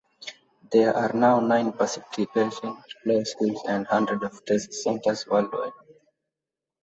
There are now nine participating law schools and hundreds of test centres worldwide.